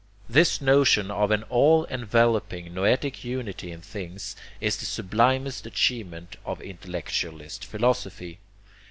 This notion of an ALL ENVELOPING NOETIC UNITY in things is the sublimest achievement of intellectualist philosophy.